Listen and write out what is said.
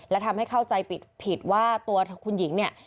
และทำให้เข้าใจผิดว่าตัวคุณหญิงเนี่ย